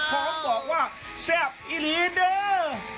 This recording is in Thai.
พร้อมบอกว่าแซ่บอิลีเด้อ